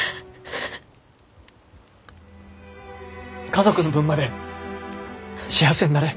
家族の分まで幸せになれ。